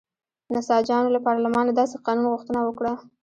نساجانو له پارلمانه داسې قانون غوښتنه وکړه.